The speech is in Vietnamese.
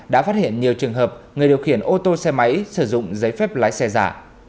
đã phát hiện nhiều trường hợp người điều khiển ô tô xe máy sử dụng giấy phép lái xe giả